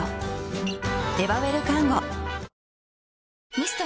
ミスト？